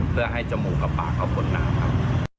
เพื่อให้จมูกกับปากเขาพ้นน้ำครับ